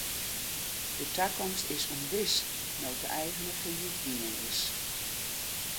De takomst is ûnwis no't de eigener fallyt gien is.